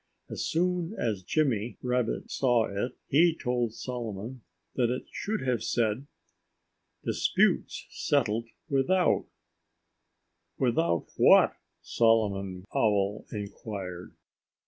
As soon as Jimmy Rabbit saw it he told Solomon that it should have said: DISPUTES SETTLED WITHOUT "Without what?" Solomon Owl inquired.